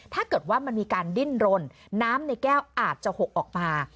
ถ้าเกิดว่ามันมีการดิ้นรนน้ำในแก้วอาจจะหกออกมา